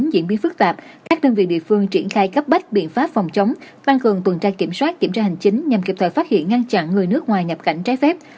diễn biến phức tạp các đơn vị địa phương triển khai cấp bách biện pháp phòng chống tăng cường tuần tra kiểm soát kiểm tra hành chính nhằm kịp thời phát hiện ngăn chặn người nước ngoài nhập cảnh trái phép